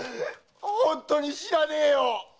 本当に知らねえよ！